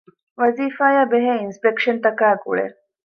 ވަޒީފާއާބެހޭ އިންސްޕެކްޝަންތަކާއި ގުޅޭ